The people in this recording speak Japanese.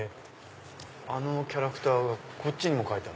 あのキャラクターがこっちにも描いてある。